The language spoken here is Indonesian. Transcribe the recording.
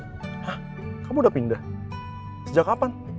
hah kamu udah pindah sejak kapan